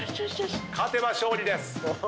勝てば勝利です。